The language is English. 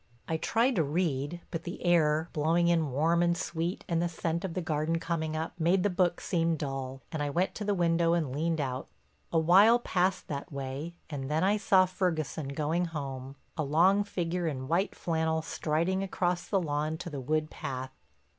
I tried to read but the air, blowing in warm and sweet and the scent of the garden coming up, made the book seem dull, and I went to the window and leaned out. A while passed that way and then I saw Ferguson going home, a long figure in white flannels striding across the lawn to the wood path.